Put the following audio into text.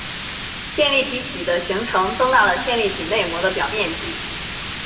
线粒体嵴的形成增大了线粒体内膜的表面积。